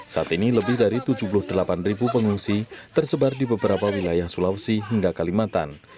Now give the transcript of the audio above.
saat ini lebih dari tujuh puluh delapan pengungsi tersebar di beberapa wilayah sulawesi hingga kalimantan